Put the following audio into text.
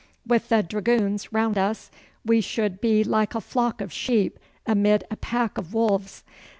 With the dragoons round us we should be like a flock of sheep amid a pack of wolves.